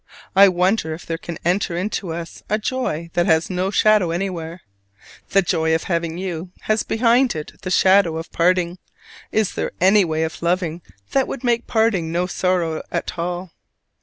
I wonder if there can enter into us a joy that has no shadow anywhere? The joy of having you has behind it the shadow of parting; is there any way of loving that would make parting no sorrow at all?